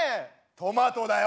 トマトだよ！